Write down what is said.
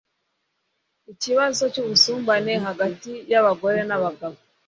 ikibazo cy’ubusumbane hagati y’abagore n’abagabo